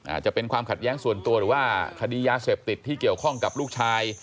อาจจะเป็นความขัดแย้งส่วนตัวหรือว่าคดียาเสพติดที่เกี่ยวข้องกับลูกชาย